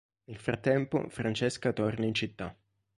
Nel frattempo Francesca torna in città.